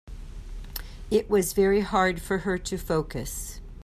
It was very hard for her to focus.